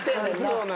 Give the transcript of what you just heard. そうなの。